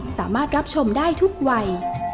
สามารถรับชมได้ทุกวัย